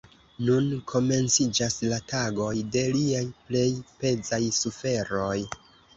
Nun komenciĝas la tagoj de liaj plej pezaj suferoj.